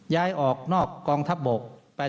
ย้ายออกนอกกองทัพบก